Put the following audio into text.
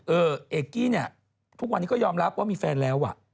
เอกกี้เนี่ยทุกวันนี้ก็ยอมรับว่ามีแฟนแล้วอ่ะ